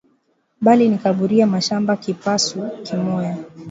Bali nikaburia mashamba kipasu kimoya